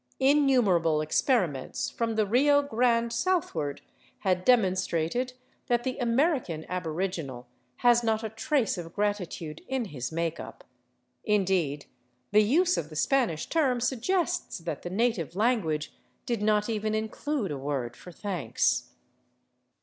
Innumerable experiments, from the Rio Grande southward, had demonstrated that the American aboriginal has not a trace of gratitude in his make up ; indeed, the use of the Spanish term suggests that the native language did not even include a word for thanks.